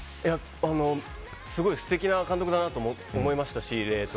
すごい素敵な監督だなと思いましたし。